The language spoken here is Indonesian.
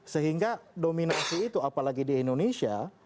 sehingga dominasi itu apalagi di indonesia